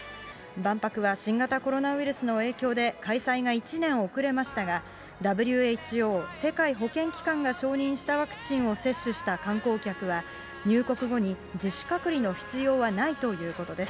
万博は新型コロナウイルスの影響で開催が１年遅れましたが、ＷＨＯ・世界保健機関が承認したワクチンを接種した観光客は、入国後に自主隔離の必要はないということです。